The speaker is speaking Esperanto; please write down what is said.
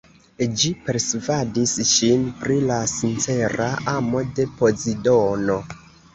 Ĝi persvadis ŝin pri la sincera amo de Pozidono.